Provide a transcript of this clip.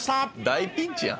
「大ピンチやん」